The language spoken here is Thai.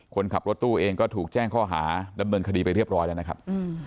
คนขับรถตู้เองก็ถูกแจ้งข้อหาดำเนินคดีไปเรียบร้อยแล้วนะครับ